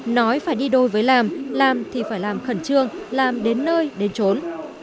nói phải đi đôi với làm làm thì phải làm khẩn trương làm đến nơi đến trốn